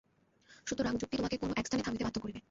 সুতরাং যুক্তি তোমাকে কোন একস্থানে থামিতে বাধ্য করিবে।